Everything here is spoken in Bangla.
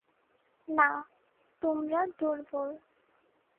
না, তোমরা দুর্বল।